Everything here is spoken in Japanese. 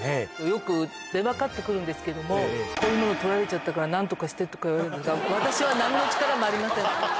よく電話かかってくるんですけれども、こういうもの撮られちゃったから、なんとかしてとか言われるんで、私はなんの力もありません。